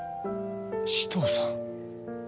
紫藤さん。